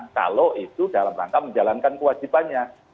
kalau itu dalam rangka menjalankan kewajibannya